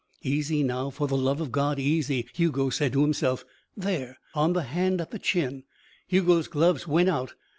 "Easy, now, for the love of God, easy," Hugo said to himself. There. On the hand at the chin. Hugo's gloves went out.